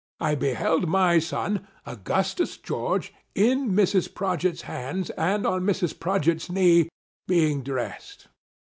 I beheld my son — Augustus George — in Mrs. Prodgit's hands, and on Mrs. Prodgit's knee, being dressed.